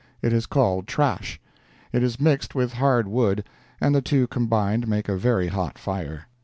It is called "trash." It is mixed with hard wood, and the two combined make a very hot fire.